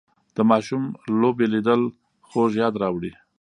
د ماشوم لوبې لیدل خوږ یاد راوړي